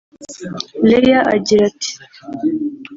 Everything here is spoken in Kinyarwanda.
Lea agira ati